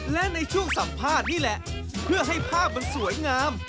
และในช่วงสัมภาษณ์นี่แหละเพื่อให้ภาพมันสวยงาม